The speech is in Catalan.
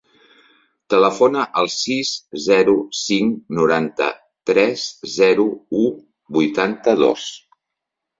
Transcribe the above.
Telefona al sis, zero, cinc, noranta-tres, zero, u, vuitanta-dos.